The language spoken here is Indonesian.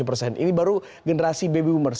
empat belas tujuh persen ini baru generasi baby boomers